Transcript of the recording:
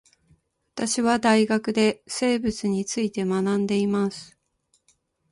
私は大学で生物について学んでいます